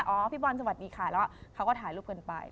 พี่บอลสวัสดีค่ะแล้วเขาก็ถ่ายรูปกันไป